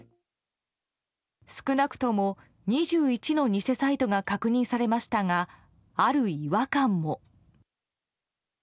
少なくとも２１の偽サイトが確認されましたがある違和感も。